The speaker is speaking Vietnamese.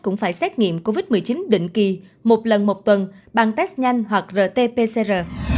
cũng phải xét nghiệm covid một mươi chín định kỳ một lần một tuần bằng test nhanh hoặc rt pcr